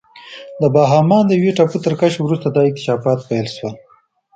د باهاما د یوې ټاپو تر کشف وروسته دا اکتشافات پیل شول.